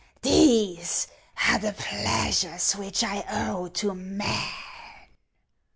These are the pleasures which I owe to men."